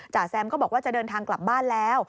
แซมก็บอกว่าจะเดินทางกลับบ้านแล้ว